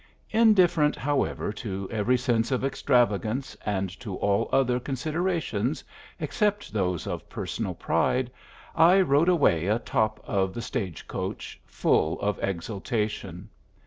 Indifferent, however, to every sense of extravagance and to all other considerations except those of personal pride, I rode away atop of the stage coach, full of exultation.